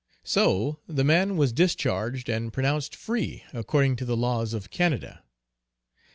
So the man was discharged and pronounced free according to the laws of Canada.